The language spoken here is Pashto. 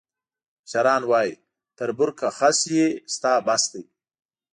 مشران وایي: تربور که خس وي، ستا بس دی.